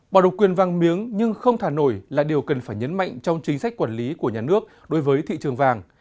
bỏ độc quyền vàng miếng nhưng không thả nổi là điều cần phải nhấn mạnh trong chính sách quản lý của nhà nước đối với thị trường vàng